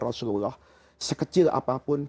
rasulullah sekecil apapun